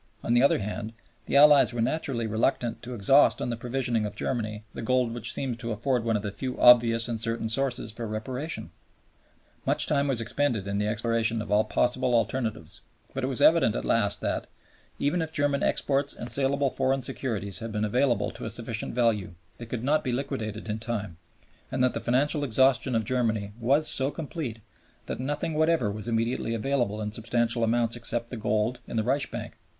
On the other hand, the Allies were naturally reluctant to exhaust on the provisioning of Germany the gold which seemed to afford one of the few obvious and certain sources for Reparation. Much time was expended in the exploration of all possible alternatives; but it was evident at last that, even if German exports and saleable foreign securities had been available to a sufficient value, they could not be liquidated in time, and that the financial exhaustion of Germany was so complete that nothing whatever was immediately available in substantial amounts except the gold in the Reichsbank.